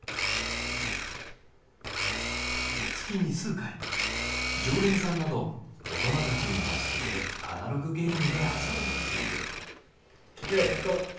月に数回常連さんなど大人たちに交じってアナログゲームで遊ぶ。